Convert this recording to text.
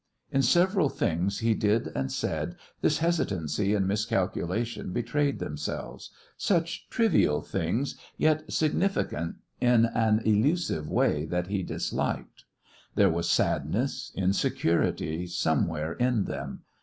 In several things he did and said, this hesitancy and miscalculation betrayed themselves such trivial things, yet significant in an elusive way that he disliked. There was sadness, insecurity somewhere in them.